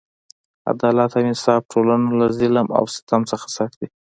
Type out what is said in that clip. عدالت او انصاف ټولنه له ظلم او ستم څخه ساتي.